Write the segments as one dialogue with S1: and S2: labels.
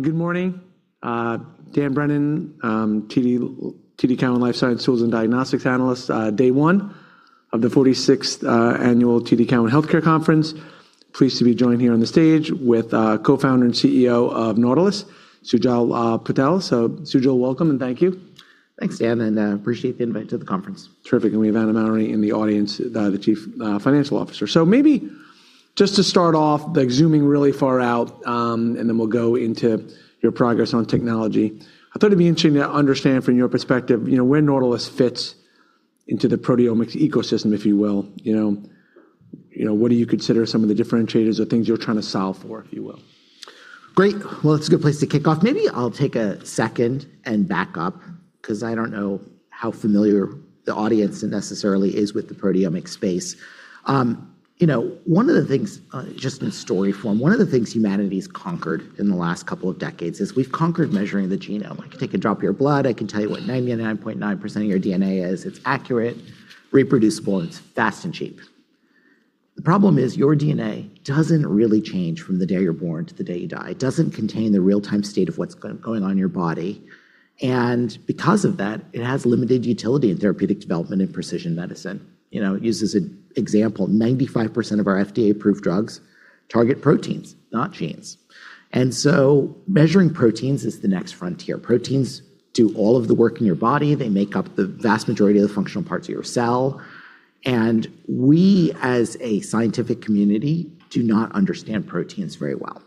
S1: Good morning. Dan Brennan, TD Cowen Life Science Tools and Diagnostics Analyst. Day one of the 46th annual TD Cowen Healthcare Conference. Pleased to be joined here on the stage with Co-founder and CEO of Nautilus, Sujal Patel. Sujal, welcome and thank you.
S2: Thanks, Dan, and I appreciate the invite to the conference.
S1: Terrific. We have Anna Mowry in the audience, the Chief Financial Officer. Maybe just to start off, like zooming really far out, and then we'll go into your progress on technology. I thought it'd be interesting to understand from your perspective, you know, where Nautilus fits into the proteomics ecosystem, if you will, you know. You know, what do you consider some of the differentiators or things you're trying to solve for, if you will?
S2: Great. That's a good place to kick off. Maybe I'll take a second and back up because I don't know how familiar the audience necessarily is with the proteomics space. You know, just in story form, one of the things humanity's conquered in the last couple of decades is we've conquered measuring the genome. I can take a drop of your blood, I can tell you what 99.9% of your DNA is. It's accurate, reproducible, and it's fast and cheap. The problem is your DNA doesn't really change from the day you're born to the day you die. It doesn't contain the real-time state of what's going on in your body, and because of that, it has limited utility in therapeutic development and precision medicine. You know, it uses an example, 95% of our FDA-approved drugs target proteins, not genes. Measuring proteins is the next frontier. Proteins do all of the work in your body. They make up the vast majority of the functional parts of your cell. We, as a scientific community, do not understand proteins very well.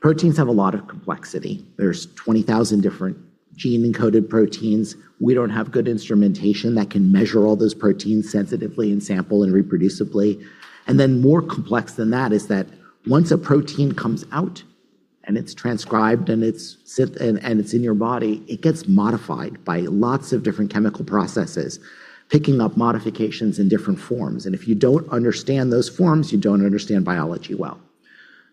S2: Proteins have a lot of complexity. There's 20,000 different gene-encoded proteins. We don't have good instrumentation that can measure all those proteins sensitively in sample and reproducibly. More complex than that is that once a protein comes out and it's transcribed and it's in your body, it gets modified by lots of different chemical processes, picking up modifications in different forms. If you don't understand those forms, you don't understand biology well.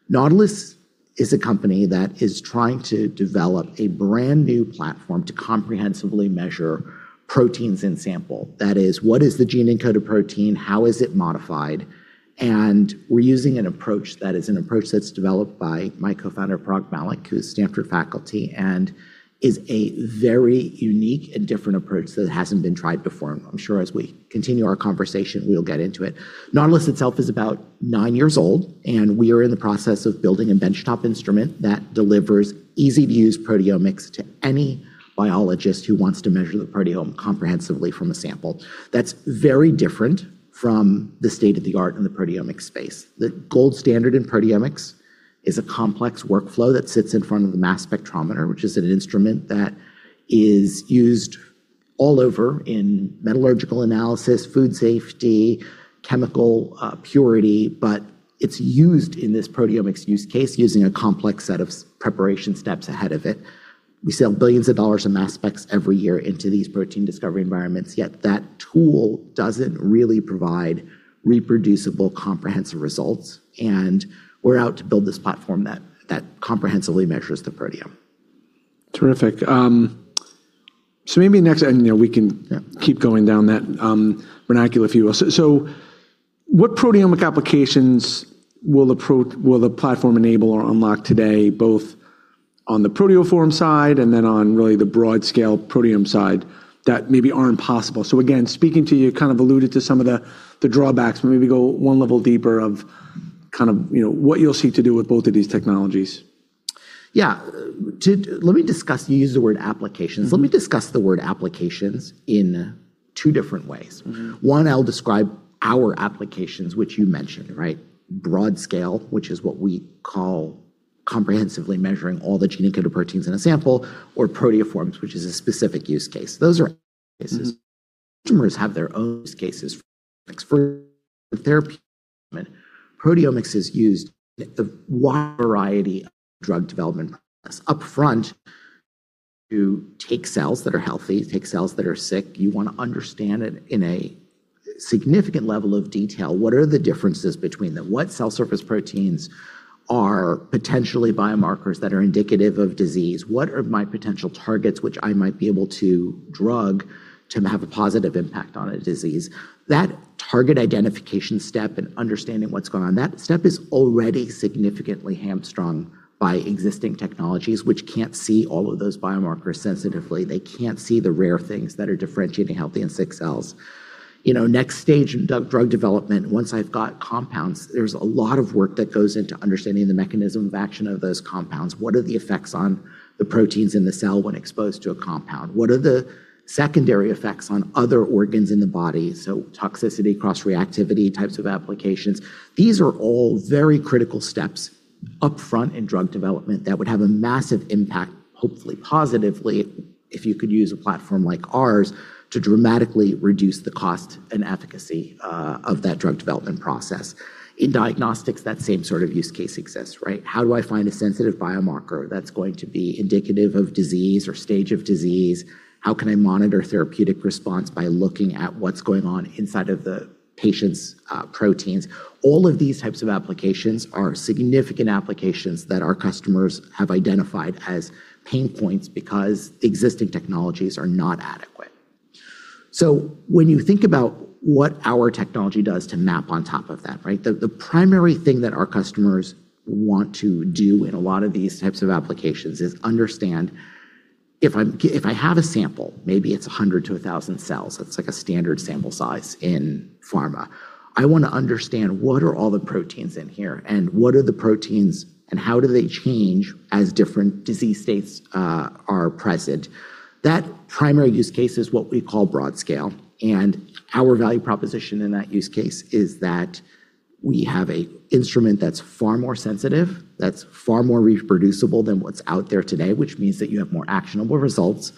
S2: Nautilus is a company that is trying to develop a brand-new platform to comprehensively measure proteins in sample. That is, what is the gene-encoded protein? How is it modified? We're using an approach that is an approach that's developed by my co-founder, Parag Mallick, who's Stanford faculty, and is a very unique and different approach that hasn't been tried before. I'm sure as we continue our conversation, we'll get into it. Nautilus itself is about nine years old, and we are in the process of building a benchtop instrument that delivers easy-to-use proteomics to any biologist who wants to measure the proteome comprehensively from a sample. That's very different from the state-of-the-art in the proteomics space. The gold standard in proteomics is a complex workflow that sits in front of the mass spectrometer, which is an instrument that is used all over in metallurgical analysis, food safety, chemical purity. It's used in this proteomics use case using a complex set of preparation steps ahead of it. We sell billions of dollars in mass specs every year into these protein discovery environments. That tool doesn't really provide reproducible, comprehensive results. We're out to build this platform that comprehensively measures the proteome.
S1: Terrific. Maybe next, you know, we can keep going down that vernacular if you will. What proteomic applications will the platform enable or unlock today, both on the proteoform side and then on really the broadscale proteome side that maybe aren't possible? Again, speaking to, you kind of alluded to some of the drawbacks, but maybe go one level deeper of kind of, you know, what you'll seek to do with both of these technologies.
S2: Yeah. You used the word applications. Let me discuss the word applications in two different ways. One, I'll describe our applications, which you mentioned, right? broadscale, which is what we call comprehensively measuring all the gene-encoded proteins in a sample or proteoforms, which is a specific use case. Those are cases. Customers have their own use cases for therapy. Proteomics is used in a wide variety of drug development up front to take cells that are healthy, take cells that are sick. You want to understand it in a significant level of detail. What are the differences between them? What cell surface proteins are potentially biomarkers that are indicative of disease? What are my potential targets which I might be able to drug to have a positive impact on a disease? That target identification step and understanding what's going on, that step is already significantly hamstrung by existing technologies which can't see all of those biomarkers sensitively. They can't see the rare things that are differentiating healthy and sick cells. You know, next stage in drug development, once I've got compounds, there's a lot of work that goes into understanding the mechanism of action of those compounds. What are the effects on the proteins in the cell when exposed to a compound? What are the secondary effects on other organs in the body? Toxicity, cross-reactivity types of applications. These are all very critical steps upfront in drug development that would have a massive impact, hopefully positively, if you could use a platform like ours to dramatically reduce the cost and efficacy of that drug development process. In diagnostics, that same sort of use case exists, right? How do I find a sensitive biomarker that's going to be indicative of disease or stage of disease? How can I monitor therapeutic response by looking at what's going on inside of the patient's proteins? All of these types of applications are significant applications that our customers have identified as pain points because existing technologies are not adequate. When you think about what our technology does to map on top of that, right? The primary thing that our customers want to do in a lot of these types of applications is understand if I have a sample, maybe it's 100 to 1,000 cells, that's like a standard sample size in pharma. I wanna understand what are all the proteins in here, and what are the proteins, and how do they change as different disease states are present. That primary use case is what we call broadscale. Our value proposition in that use case is that we have a instrument that's far more sensitive, that's far more reproducible than what's out there today, which means that you have more actionable results,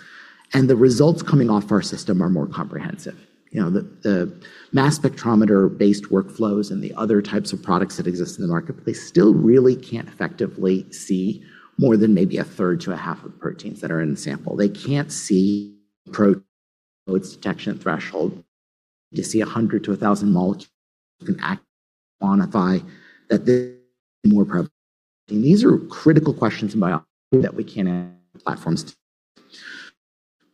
S2: and the results coming off our system are more comprehensive. You know, the mass spectrometer-based workflows and the other types of products that exist in the marketplace still really can't effectively see more than maybe a third to a half of proteins that are in the sample. They can't see its detection threshold to see 100-1,000 molecules quantify that the more prevalent. These are critical questions in biology that we can add platforms.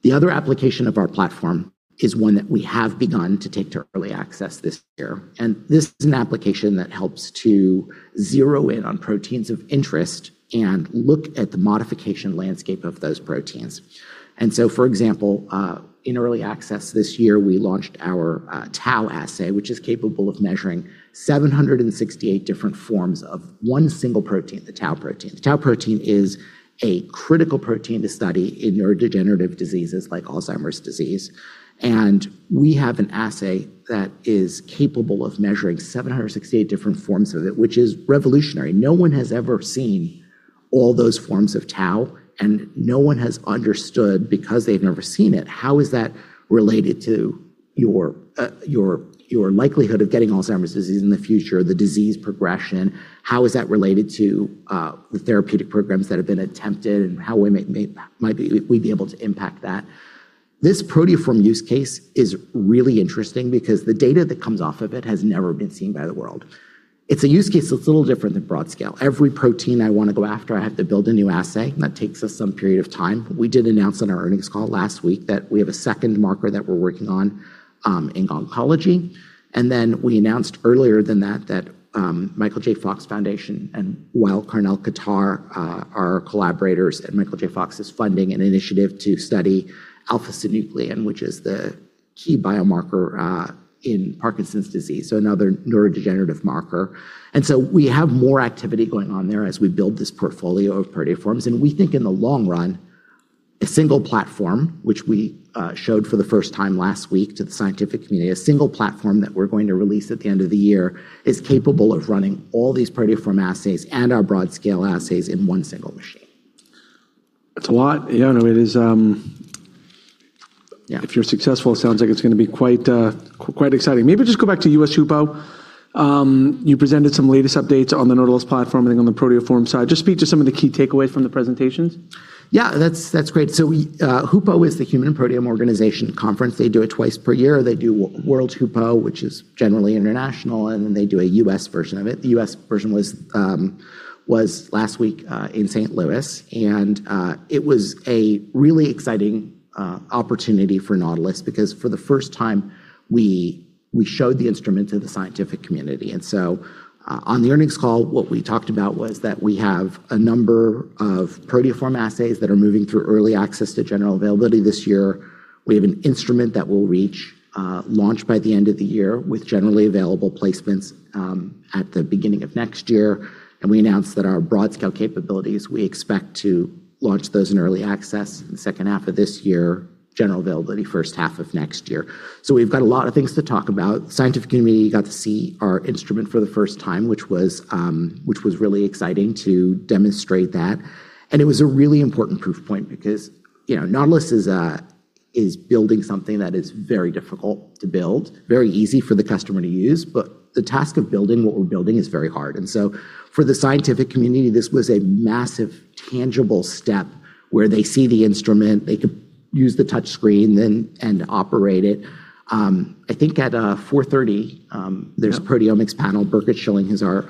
S2: The other application of our platform is one that we have begun to take to early access this year, and this is an application that helps to zero in on proteins of interest and look at the modification landscape of those proteins. For example, in early access this year, we launched our Tau assay, which is capable of measuring 768 different forms of one single protein, the Tau protein. The Tau protein is a critical protein to study in neurodegenerative diseases like Alzheimer's disease, and we have an assay that is capable of measuring 768 different forms of it, which is revolutionary. No one has ever seen all those forms of Tau, no one has understood, because they've never seen it, how is that related to your, your likelihood of getting Alzheimer's disease in the future, the disease progression? How is that related to the therapeutic programs that have been attempted and how we'd be able to impact that? This proteoform use case is really interesting because the data that comes off of it has never been seen by the world. It's a use case that's a little different than broadscale. Every protein I wanna go after, I have to build a new assay, that takes us some period of time. We did announce on our earnings call last week that we have a second marker that we're working on in oncology. We announced earlier than that that Michael J. Fox Foundation and Weill Cornell Medicine-Qatar are collaborators, and Michael J. Fox is funding an initiative to study alpha-synuclein, which is the key biomarker in Parkinson's disease, so another neurodegenerative marker. We have more activity going on there as we build this portfolio of proteoforms, and we think in the long run, a single platform, which we showed for the first time last week to the scientific community, a single platform that we're going to release at the end of the year, is capable of running all these proteoform assays and our broadscale assays in one single machine.
S1: That's a lot. Yeah, no, it is. If you're successful, it sounds like it's gonna be quite exciting. Maybe just go back to US HUPO. You presented some latest updates on the Nautilus platform and on the proteoform side. Just speak to some of the key takeaway from the presentations.
S2: That's great. We, HUPO is the Human Proteome Organization conference. They do it twice per year. They do World HUPO, which is generally international, and then they do a U.S. version of it. The U.S. version was last week in St. Louis, and it was a really exciting opportunity for Nautilus because for the first time, we showed the instrument to the scientific community. On the earnings call, what we talked about was that we have a number of proteoform assays that are moving through early access to general availability this year. We have an instrument that will reach launch by the end of the year with generally available placements at the beginning of next year. We announced that our broadscale capabilities, we expect to launch those in early access in the second half of this year, general availability first half of next year. We've got a lot of things to talk about. Scientific community got to see our instrument for the first time, which was really exciting to demonstrate that. It was a really important proof point because, you know, Nautilus is building something that is very difficult to build, very easy for the customer to use, but the task of building what we're building is very hard. For the scientific community, this was a massive tangible step where they see the instrument, they could use the touch screen and operate it. I think at 4:30.
S1: Yep.
S2: There's proteomics panel. Birgit Schilling is our,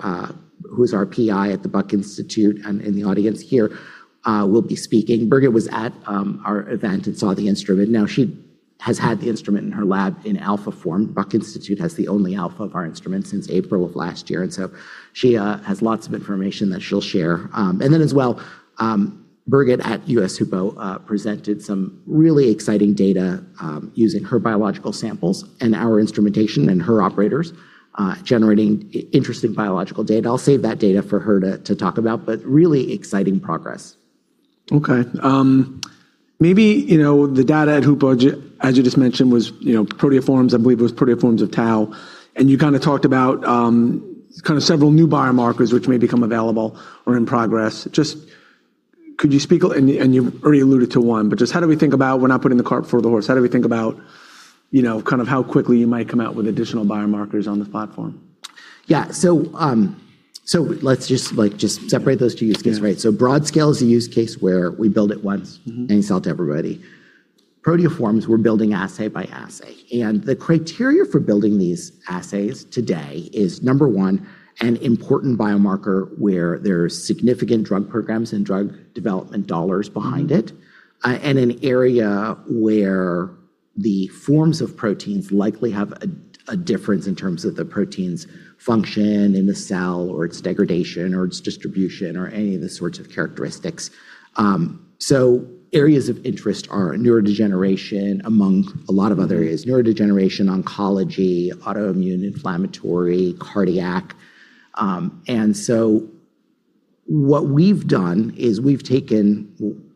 S2: who's our PI at the Buck Institute and in the audience here, will be speaking. Birgit was at our event and saw the instrument. Now she has had the instrument in her lab in alpha form. Buck Institute has the only alpha of our instrument since April of last year, and so she has lots of information that she'll share. As well, Birgit at US HUPO presented some really exciting data using her biological samples and our instrumentation and her operators generating interesting biological data. I'll save that data for her to talk about, but really exciting progress.
S1: Okay. maybe, you know, the data at HUPO as you just mentioned, was, you know, proteoforms, I believe it was proteoforms of Tau, and you kind of talked about, kind of several new biomarkers which may become available or in progress. Just could you speak, you already alluded to one, but just how do we think about we're not putting the cart before the horse? How do we think about, you know, kind of how quickly you might come out with additional biomarkers on the platform?
S2: Yeah. So, let's just, like, just separate those two use cases. Right. broadscale is a use case where we build it once and sell to everybody. Proteoforms, we're building assay by assay. The criteria for building these assays today is, number one, an important biomarker where there are significant drug programs and drug development dollars behind it, and an area where the forms of proteins likely have a difference in terms of the protein's function in the cell, or its degradation, or its distribution, or any of the sorts of characteristics. Areas of interest are neurodegeneration, among a lot of other areas. Neurodegeneration, oncology, autoimmune, inflammatory, cardiac. What we've done is we've taken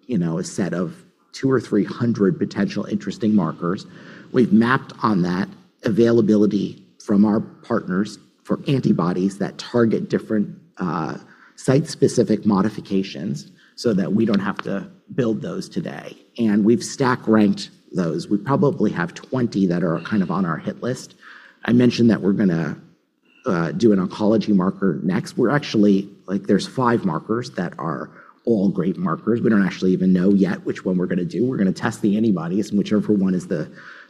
S2: you know, a set of two or three hundred potential interesting markers. We've mapped on that availability from our partners for antibodies that target different, site-specific modifications so that we don't have to build those today, and we've stack ranked those. We probably have 20 that are kind of on our hit list. I mentioned that we're gonna do an oncology marker next. Like, there's five markers that are all great markers. We don't actually even know yet which one we're gonna do. We're gonna test the antibodies, and whichever one is the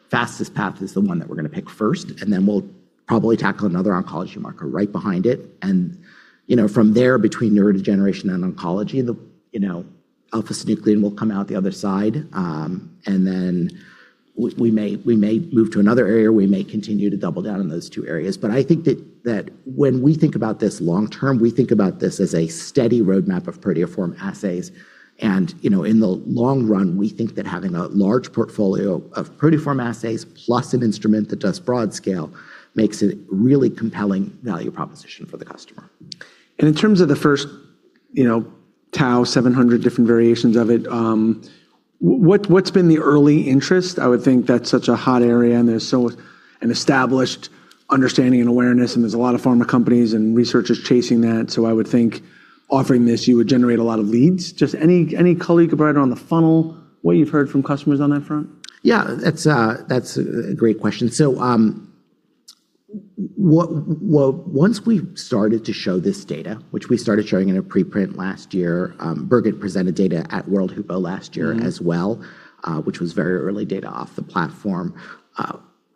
S2: fastest path is the one that we're gonna pick first, and then we'll probably tackle another oncology marker right behind it. You know, from there, between neurodegeneration and oncology, the, you know, alpha-synuclein will come out the other side. Then we may move to another area. We may continue to double down on those two areas. I think that when we think about this long term, we think about this as a steady roadmap of proteoform assays. You know, in the long run, we think that having a large portfolio of proteoform assays plus an instrument that does broadscale makes a really compelling value proposition for the customer.
S1: In terms of the first, you know, tau, 700 different variations of it, what's been the early interest? I would think that's such a hot area, and there's an established understanding and awareness, and there's a lot of pharma companies and researchers chasing that. I would think offering this, you would generate a lot of leads. Just any color you could provide on the funnel, what you've heard from customers on that front?
S2: Yeah. That's, that's a great question. Well, once we started to show this data, which we started showing in a preprint last year, Birgit presented data at World HUPO last year as well, which was very early data off the platform.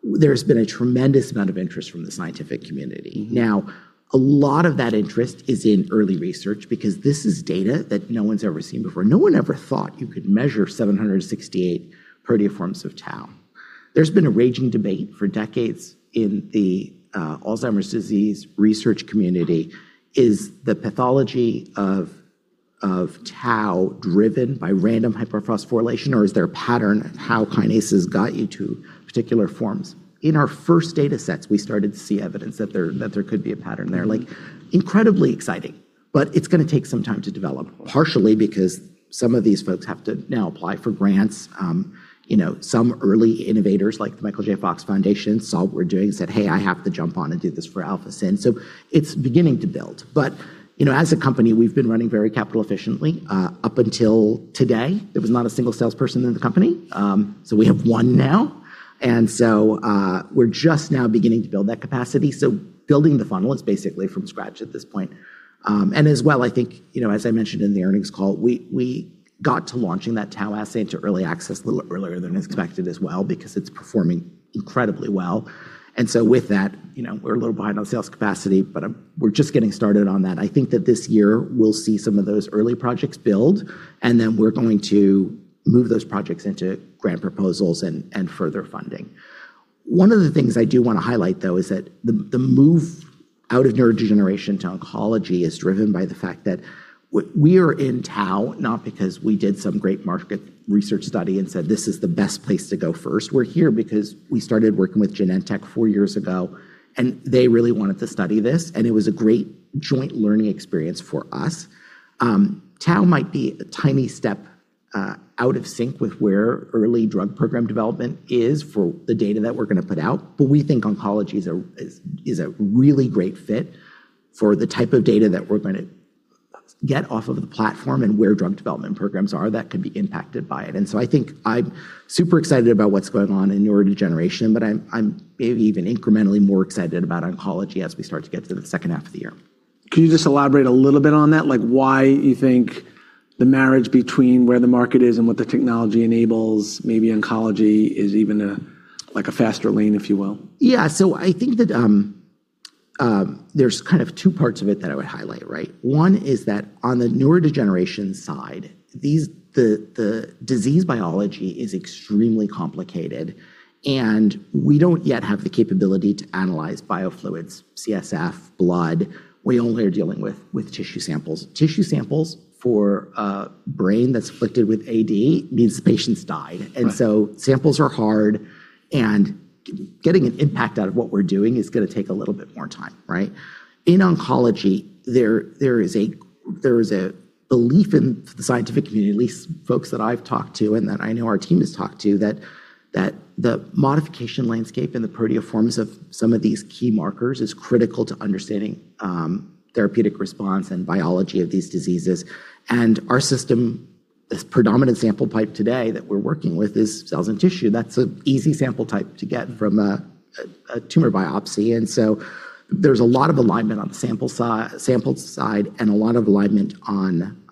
S2: There's been a tremendous amount of interest from the scientific community. A lot of that interest is in early research because this is data that no one's ever seen before. No one ever thought you could measure 768 proteoforms of Tau. There's been a raging debate for decades in the Alzheimer's disease research community. Is the pathology of Tau driven by random hyperphosphorylation, or is there a pattern of how kinases got you to particular forms? In our first datasets, we started to see evidence that there could be a pattern there. Like, incredibly exciting, but it's gonna take some time to develop, partially because some of these folks have to now apply for grants. You know, some early innovators, like The Michael J. Fox Foundation for Parkinson's Research, saw what we're doing and said, "Hey, I have to jump on and do this for α-Syn." It's beginning to build. You know, as a company, we've been running very capital efficiently up until today. There was not a single salesperson in the company. We have one now. We're just now beginning to build that capacity. Building the funnel is basically from scratch at this point. As well, I think, you know, as I mentioned in the earnings call, we got to launching that tau assay into early access a little earlier than expected as well because it's performing incredibly well. With that, you know, we're a little behind on sales capacity, but we're just getting started on that. I think that this year we'll see some of those early projects build, and then we're going to move those projects into grant proposals and further funding. One of the things I do wanna highlight, though, is that the move out of neurodegeneration to oncology is driven by the fact that we are in tau not because we did some great market research study and said, "This is the best place to go first." We're here because we started working with Genentech four years ago, and they really wanted to study this, and it was a great joint learning experience for us. tau might be a tiny step out of sync with where early drug program development is for the data that we're gonna put out, but we think oncology is a really great fit for the type of data that we're gonna get off of the platform and where drug development programs are that could be impacted by it. I think I'm super excited about what's going on in neurodegeneration, but I'm maybe even incrementally more excited about oncology as we start to get to the second half of the year.
S1: Can you just elaborate a little bit on that? Like, why you think the marriage between where the market is and what the technology enables, maybe oncology is even a, like a faster lane, if you will?
S2: I think that there's kind of two parts of it that I would highlight, right? One is that on the neurodegeneration side, the disease biology is extremely complicated, and we don't yet have the capability to analyze biofluids, CSF, blood. We only are dealing with tissue samples. Tissue samples for a brain that's afflicted with AD means the patients die.
S1: Right.
S2: Samples are hard, and getting an impact out of what we're doing is gonna take a little bit more time, right? In oncology, there is a belief in the scientific community, at least folks that I've talked to and that I know our team has talked to, that the modification landscape and the proteoforms of some of these key markers is critical to understanding therapeutic response and biology of these diseases. Our system, this predominant sample type today that we're working with is cells and tissue. That's an easy sample type to get from a tumor biopsy. There's a lot of alignment on the sample side and a lot of alignment on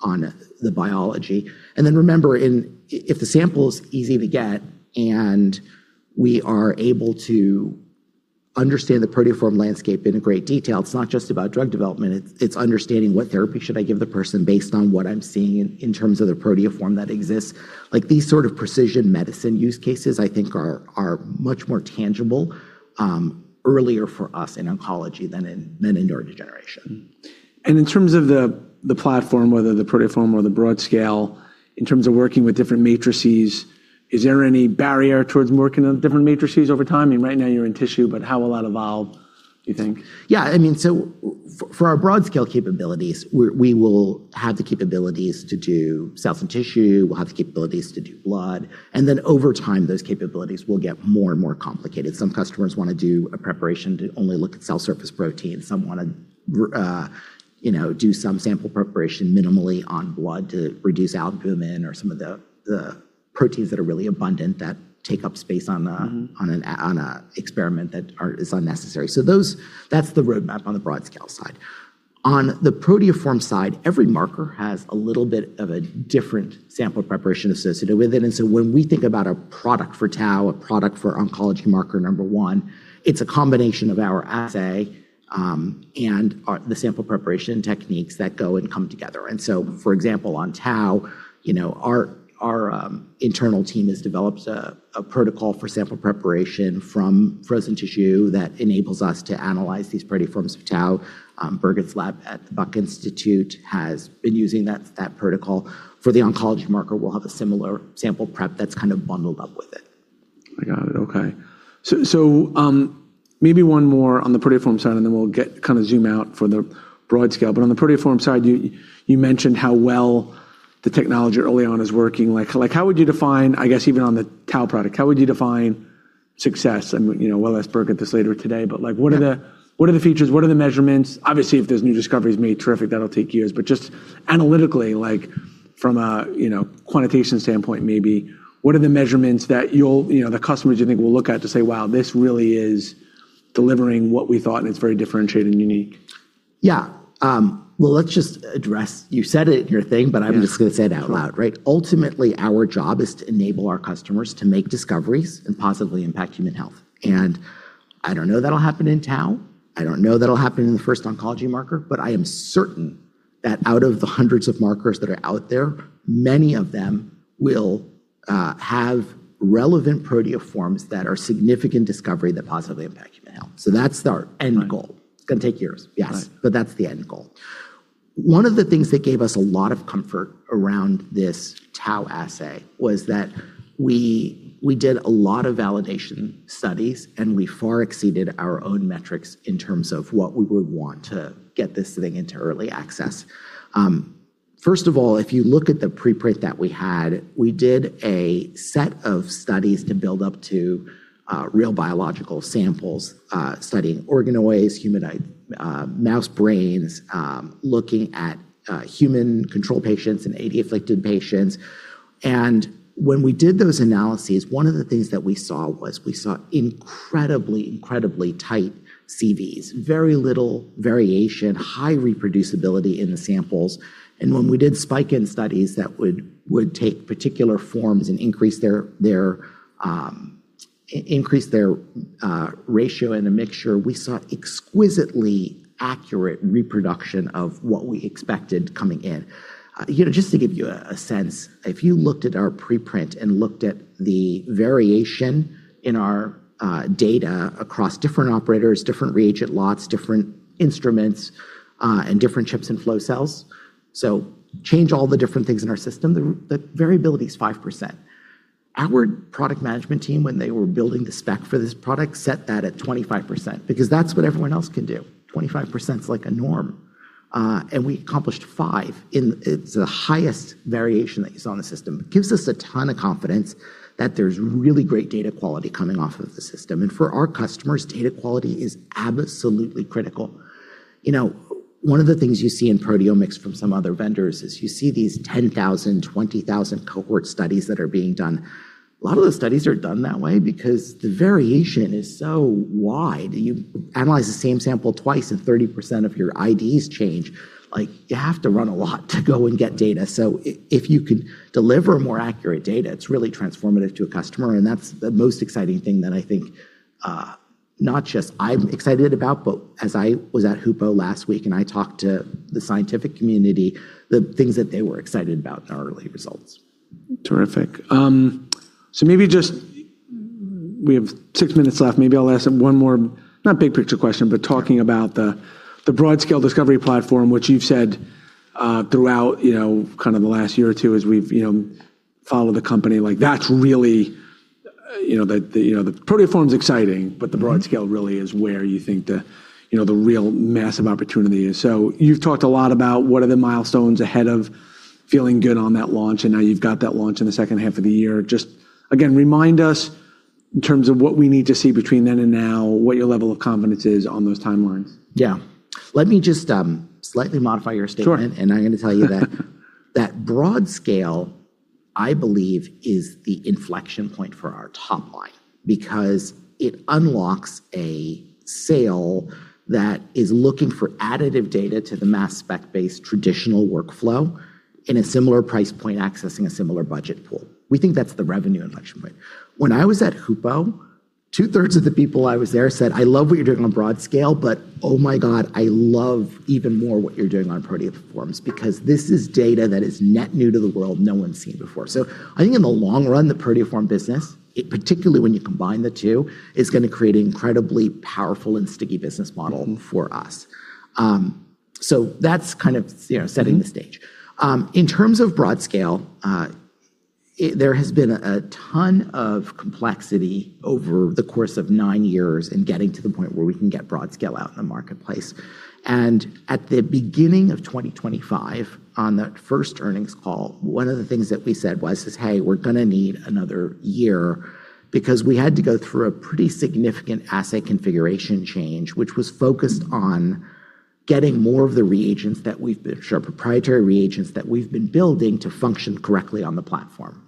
S2: the biology. Remember if the sample is easy to get, and we are able to understand the proteoform landscape in a great detail. It's not just about drug development, it's understanding what therapy should I give the person based on what I'm seeing in terms of the proteoform that exists. Like, these sort of precision medicine use cases, I think are much more tangible earlier for us in oncology than in neurodegeneration.
S1: In terms of the platform, whether the proteoform or the broad-scale, in terms of working with different matrices, is there any barrier towards working on different matrices over time? I mean, right now you're in tissue, but how will that evolve, do you think?
S2: I mean, for our broadscale capabilities, we will have the capabilities to do cells and tissue. We'll have the capabilities to do blood. Over time, those capabilities will get more and more complicated. Some customers wanna do a preparation to only look at cell surface proteins. Some wanna, you know, do some sample preparation minimally on blood to reduce albumin or some of the proteins that are really abundant that take up space. On a experiment that is unnecessary. That's the roadmap on the broadscale side. On the proteoform side, every marker has a little bit of a different sample preparation associated with it, when we think about a product for tau, a product for oncology marker number one, it's a combination of our assay and the sample preparation techniques that go and come together. For example, on tau, you know, our internal team has developed a protocol for sample preparation from frozen tissue that enables us to analyze these proteoforms of tau. Birgit's lab at the Buck Institute has been using that protocol. For the oncology marker, we'll have a similar sample prep that's kind of bundled up with it.
S1: I got it. Okay. Maybe one more on the proteoform side, and then we'll kinda zoom out for the broadscale. On the proteoform side, you mentioned how well the technology early on is working. Like, how would you define, I guess even on the Tau product, how would you define success? You know, we'll ask Eric Verdin this later today, but like, what are the features? What are the measurements? Obviously, if there's new discoveries made, terrific, that'll take years. Just analytically, like from a, you know, quantitation standpoint maybe, what are the measurements that you know, the customers you think will look at to say, "Wow, this really is delivering what we thought, and it's very differentiated and unique"?
S2: Yeah. Well, You said it in your thing but I'm just gonna say it out loud, right? Ultimately, our job is to enable our customers to make discoveries and positively impact human health. I don't know if that'll happen in tau, I don't know if that'll happen in the first oncology marker, but I am certain that out of the hundreds of markers that are out there, many of them will have relevant proteoforms that are significant discovery that positively impact human health. That's our end goal.
S1: It's gonna take years.
S2: Yes. That's the end goal. One of the things that gave us a lot of comfort around this tau assay was that we did a lot of validation studies, and we far exceeded our own metrics in terms of what we would want to get this thing into early access. First of all, if you look at the preprint that we had, we did a set of studies to build up to real biological samples, studying organoids, human mouse brains, looking at human control patients and AD afflicted patients. When we did those analyses, one of the things that we saw was we saw incredibly tight CVs. Very little variation, high reproducibility in the samples. When we did spike-in studies that would take particular forms and increase their ratio in the mixture, we saw exquisitely accurate reproduction of what we expected coming in. You know, just to give you a sense, if you looked at our preprint and looked at the variation in our data across different operators, different reagent lots, different instruments, and different chips and flow cells, so change all the different things in our system, the variability is 5%. Our product management team, when they were building the spec for this product, set that at 25% because that's what everyone else can do. 25%'s like a norm. We accomplished five. It's the highest variation that you saw in the system. Gives us a ton of confidence that there's really great data quality coming off of the system. For our customers, data quality is absolutely critical. You know, one of the things you see in proteomics from some other vendors is you see these 10,000, 20,000 cohort studies that are being done. A lot of those studies are done that way because the variation is so wide. You analyze the same sample twice and 30% of your IDs change, like you have to run a lot to go and get data. If you can deliver more accurate data, it's really transformative to a customer, and that's the most exciting thing that I think, not just I'm excited about, but as I was at HUPO last week and I talked to the scientific community, the things that they were excited about in our early results.
S1: Terrific. Maybe just, we have six minutes left. Maybe I'll ask one more, not big picture question, but talking about the broadscale discovery platform, which you've said throughout, you know, kind of the last year or two as we've, you know, followed the company, like that's really, you know, the proteoform's exciting, but the broadscale really is where you think the, you know, the real massive opportunity is. You've talked a lot about what are the milestones ahead of feeling good on that launch, and now you've got that launch in the second half of the year. Just again, remind us in terms of what we need to see between then and now, what your level of confidence is on those timelines.
S2: Yeah. Let me just, slightly modify your statement.
S1: Sure.
S2: I'm gonna tell you that that broadscale, I believe, is the inflection point for our top line because it unlocks a sale that is looking for additive data to the mass spec-based traditional workflow in a similar price point, accessing a similar budget pool. We think that's the revenue inflection point. When I was at HUPO, two-thirds of the people I was there said, "I love what you're doing on broadscale, but oh my God, I love even more what you're doing on proteoforms because this is data that is net new to the world no one's seen before." I think in the long run, the proteoform business, particularly when you combine the two, is gonna create an incredibly powerful and sticky business model for us. That's kind of, you know, setting the stage. In terms of broadscale, there has been a ton of complexity over the course of nine years in getting to the point where we can get broadscale out in the marketplace. At the beginning of 2025, on that first earnings call, one of the things that we said was, "Hey, we're gonna need another year," because we had to go through a pretty significant asset configuration change, which was focused on getting more of the proprietary reagents that we've been building to function correctly on the platform.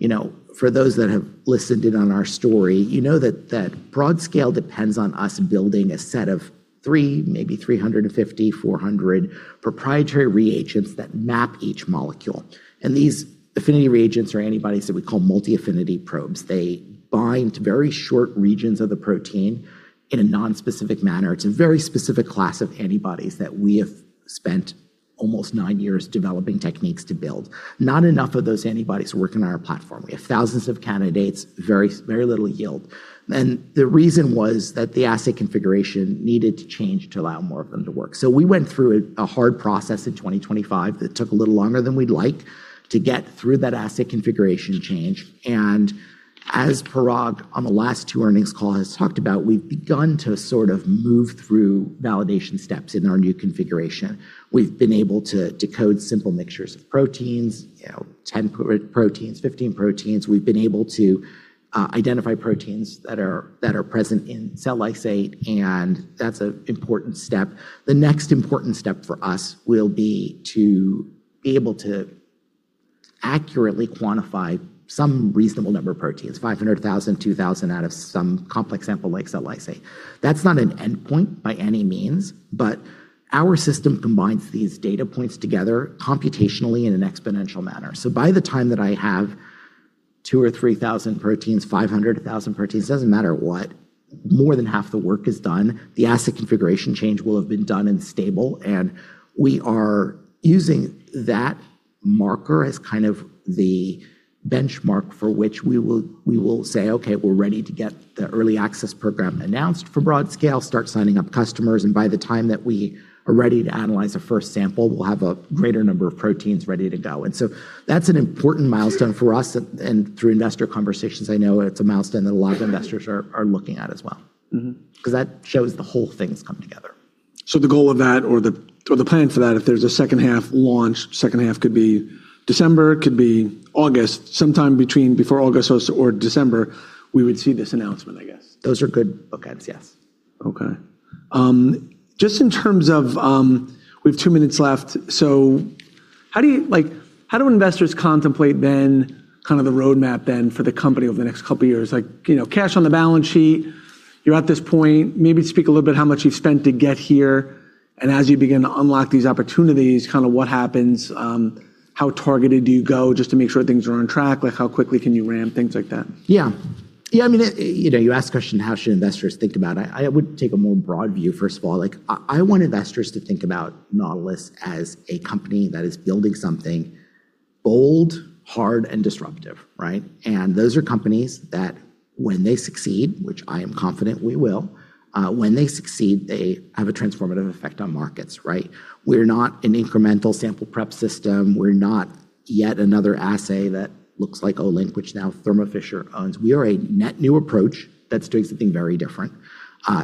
S2: You know, for those that have listened in on our story, you know that broadscale depends on us building a set of three, maybe 350, 400 proprietary reagents that map each molecule. These affinity reagents or antibodies that we call multi-affinity probes, they bind very short regions of the protein in a non-specific manner. It's a very specific class of antibodies that we have spent almost nine years developing techniques to build. Not enough of those antibodies work on our platform. We have thousands of candidates, very little yield. The reason was that the assay configuration needed to change to allow more of them to work. We went through a hard process in 2025 that took a little longer than we'd like to get through that assay configuration change. As Parag on the last two earnings call has talked about, we've begun to sort of move through validation steps in our new configuration. We've been able to decode simple mixtures of proteins, you know, 10 proteins, 15 proteins. We've been able to identify proteins that are present in cell lysate. That's an important step. The next important step for us will be to be able to accurately quantify some reasonable number of proteins, 500, 1,000, 2,000 out of some complex sample like cell lysate. That's not an endpoint by any means. Our system combines these data points together computationally in an exponential manner. By the time that I have 2,000 or 3,000 proteins, 500,000 proteins, it doesn't matter what, more than half the work is done. The asset configuration change will have been done and stable, and we are using that marker as kind of the benchmark for which we will say, "Okay, we're ready to get the early access program announced for broadscale, start signing up customers," and by the time that we are ready to analyze our first sample, we'll have a greater number of proteins ready to go. That's an important milestone for us and through investor conversations I know it's a milestone that a lot of investors are looking at as well. 'Cause that shows the whole thing's come together.
S1: The goal of that or the plan for that, if there's a second half launch, second half could be December, could be August, sometime between before August or December, we would see this announcement, I guess.
S2: Those are good bookends, yes.
S1: Okay. Just in terms of, we have two minutes left. How do investors contemplate then kind of the roadmap then for the company over the next couple of years? Like, you know, cash on the balance sheet, you're at this point, maybe speak a little bit how much you've spent to get here, and as you begin to unlock these opportunities, kinda what happens, how targeted do you go just to make sure things are on track? Like, how quickly can you ramp, things like that?
S2: Yeah. Yeah, I mean, you know, you ask question how should investors think about it. I would take a more broad view, first of all. Like, I want investors to think about Nautilus as a company that is building something bold, hard, and disruptive, right? Those are companies that when they succeed, which I am confident we will, when they succeed, they have a transformative effect on markets, right? We're not an incremental sample prep system. We're not yet another assay that looks like Olink, which now Thermo Fisher owns. We are a net new approach that's doing something very different.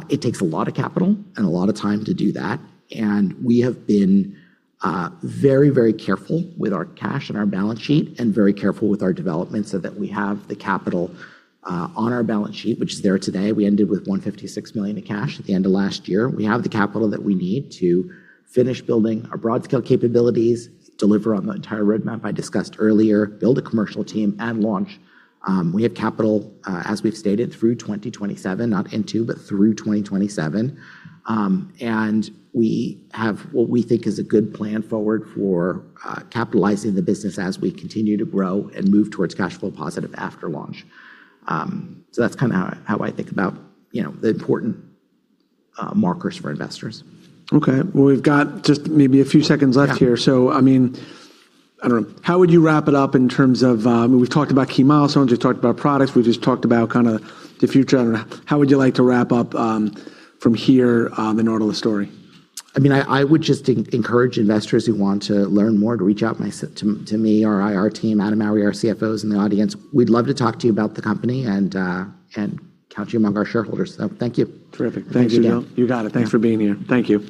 S2: It takes a lot of capital and a lot of time to do that, and we have been very, very careful with our cash and our balance sheet and very careful with our development so that we have the capital on our balance sheet, which is there today. We ended with $156 million in cash at the end of last year. We have the capital that we need to finish building our broadscale capabilities, deliver on the entire roadmap I discussed earlier, build a commercial team, and launch. We have capital, as we've stated, through 2027, not into, but through 2027. We have what we think is a good plan forward for capitalizing the business as we continue to grow and move towards cash-flow positive after launch. That's kind of how I think about, you know, the important markers for investors.
S1: Okay. Well, we've got just maybe a few seconds left here.
S2: Yeah.
S1: I mean, I don't know. How would you wrap it up in terms of. We've talked about key milestones, we've talked about products, we've just talked about kinda the future. I don't know. How would you like to wrap up from here, the Nautilus story?
S2: I mean, I would just encourage investors who want to learn more to reach out my to me or our IR team, Anna Mowry, our CFO, who's in the audience. We'd love to talk to you about the company and count you among our shareholders. Thank you.
S1: Terrific. Thanks, Sujal.
S2: Thanks again.
S1: You got it.
S2: Yeah.
S1: Thanks for being here. Thank you.